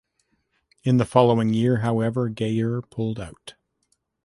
In the following year, however, Gaier pulled out.